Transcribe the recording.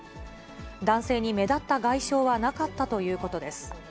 男性に目立った外傷はなかったということです。